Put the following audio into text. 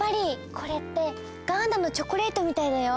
これってガーナのチョコレートみたいだよ。